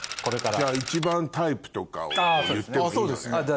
じゃあ一番タイプとかを言ってもいいのね？